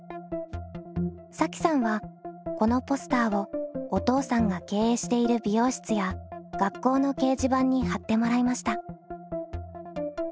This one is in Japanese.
さきさんはこのポスターをお父さんが経営している美容室や学校の掲示板に貼ってもらいました。